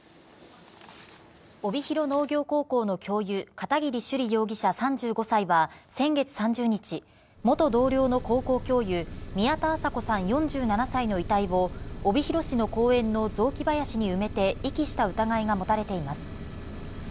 帯広農業高校の教諭・片桐朱璃容疑者、３５歳は先月３０日、元同僚の高校教諭・宮田麻子さん、４７歳の遺体を帯広市の公園の雑木林に埋めて遺棄した疑いが持たれています。